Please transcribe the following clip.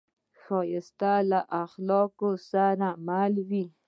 ښایست له اخلاقو سره مل وي